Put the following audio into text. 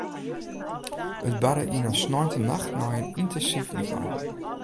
It barde yn in sneintenacht nei in yntinsyf wykein.